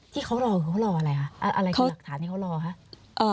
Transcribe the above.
ที่เขารออะไรก็เขารออะไรคะ